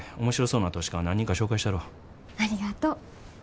ありがとう。